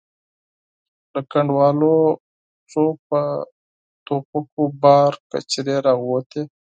له کنډوالو څو په ټوپکو بار کچرې را ووتې.